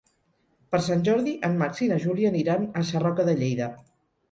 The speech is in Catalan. Per Sant Jordi en Max i na Júlia aniran a Sarroca de Lleida.